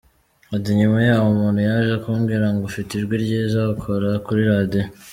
Ati “Nyuma yaho, umuntu yaje kumbwira ngo ufite ijwi ryiza, wakora kuri radiyo.